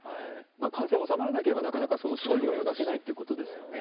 感染収まらなければ、なかなかそういう絵は描けないということですね。